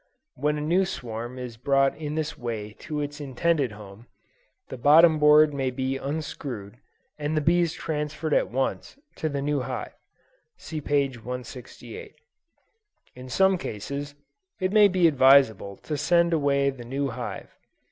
When a new swarm is brought in this way to its intended home, the bottom board may be unscrewed, and the bees transferred at once, to the new hive; (See p. 168.) In some cases, it may be advisable to send away the new hive.